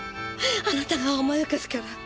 あなたが甘やかすから。